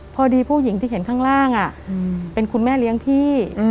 พอดีผู้หญิงที่เห็นข้างล่างเป็นคุณแม่เลี้ยงพี่